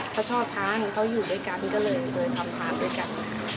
เขาชอบทานเขาอยู่ด้วยกันก็เลยทำทานด้วยกัน